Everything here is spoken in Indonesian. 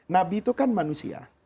nabi itu kan manusia